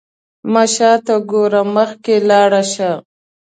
مه شاته ګوره، مخکې لاړ شه.